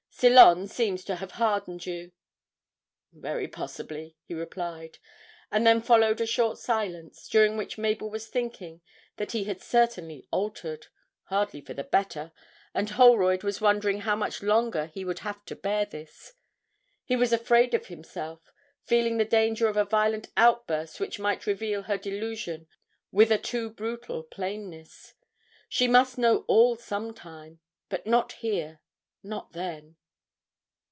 Ceylon seems to have hardened you.' 'Very possibly,' he replied; and then followed a short silence, during which Mabel was thinking that he had certainly altered hardly for the better, and Holroyd was wondering how much longer he would have to bear this. He was afraid of himself, feeling the danger of a violent outburst which might reveal her delusion with a too brutal plainness. She must know all some time, but not there not then.